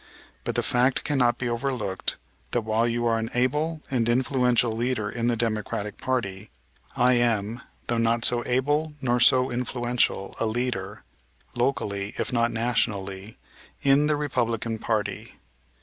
But the fact cannot be overlooked that while you are an able and influential leader in the Democratic party, I am, though not so able nor so influential, a leader, locally, if not nationally, in the Republican party.